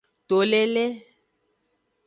To lele.